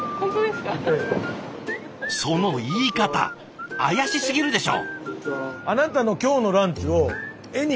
その言い方怪しすぎるでしょ！